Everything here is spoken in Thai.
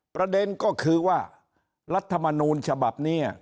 ประเด็นก็คือว่าลัธมานูนฉบับเนี่ย